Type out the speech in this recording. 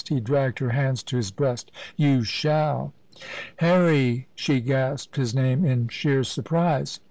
he dragged her hands to his breast "you shall!" "Harry!" She gasped his name in sheer surprise.